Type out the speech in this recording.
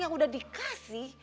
yang udah dikasih